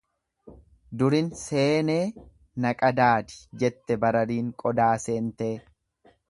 Durin seenee na qadaadi jette barariin qodaa seentee.